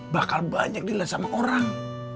bakal banyak dilihat sama orang